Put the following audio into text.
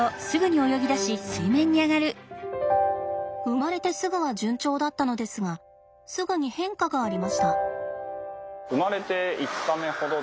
生まれてすぐは順調だったのですがすぐに変化がありました。